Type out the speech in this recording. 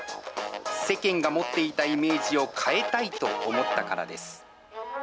世間が持っていたイメージを変えたいと思ったからです。